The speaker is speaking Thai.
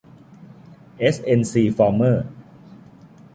เอส เอ็น ซี ฟอร์เมอร์